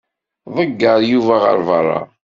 Ḍegger Yuba ɣer beṛṛa.